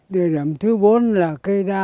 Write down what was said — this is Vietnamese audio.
địa điểm thứ bốn là cây đa